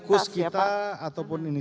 fokus kita ataupun ini